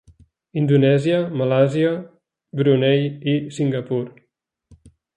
Indonèsia, Malàisia, Brunei i Singapur.